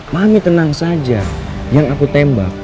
mami tenang saja yang aku tembak itu dia